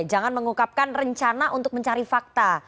jangan mengungkapkan rencana untuk mencari fakta